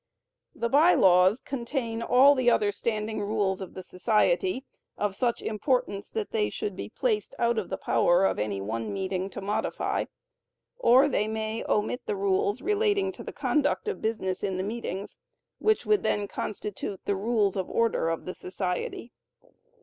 The By Laws contain all the other standing rules of the society, of such importance that they should be placed out of the power of any one meeting to modify; or they may omit the rules relating to the conduct of business in the meetings, which would then constitute the Rules of Order of the society.